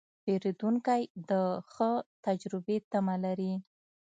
پیرودونکی د ښه تجربې تمه لري.